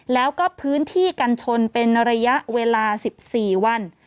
แล้วก็พื้นที่กันชนเป็นระยะเวลา๑๔วัน